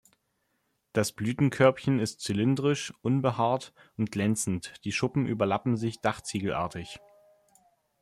Das Blütenkörbchen ist zylindrisch, unbehaart und glänzend, die Schuppen überlappen sich dachziegelartig.